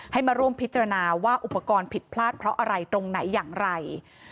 ให้มาร่วมพิจารณาว่าอุปกรณ์ผิดพลาดเพราะอะไรตรงไหนอย่างไร